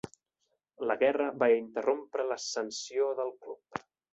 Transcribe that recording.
La guerra va interrompre l'ascensió del club.